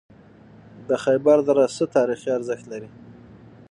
د خیبر دره څه تاریخي ارزښت لري؟